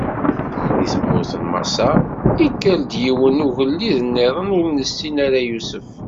Di tmurt n Maṣer, ikker-d yiwen n ugellid-nniḍen ur nessin ara Yusef.